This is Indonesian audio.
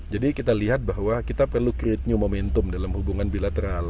jadi kita lihat bahwa kita perlu create new momentum dalam hubungan bilateral